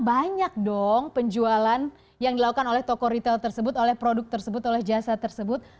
banyak dong penjualan yang dilakukan oleh toko retail tersebut oleh produk tersebut oleh jasa tersebut